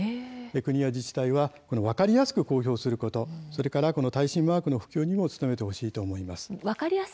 国や自治体は分かりやすく公表することそれから耐震マークの普及にも努めてほしいと思います。